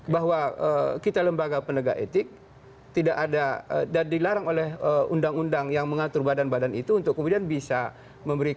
bahwa kita lembaga penegak etik tidak ada dan dilarang oleh undang undang yang mengatur badan badan itu untuk kemudian bisa memberikan